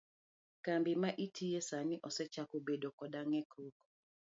Kambi ma itiye sani osechako bedo koda ng'ikruok?